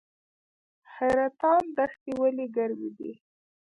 حیرتان دښتې ولې ګرمې دي؟